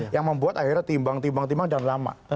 yang membuat akhirnya timbang timbang timbang dan lama